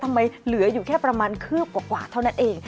เหลืออยู่แค่ประมาณคืบกว่าเท่านั้นเอง